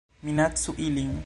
Minacu ilin